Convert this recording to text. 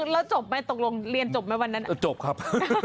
แล้วหลายเรียนจบมั้ยจบครับ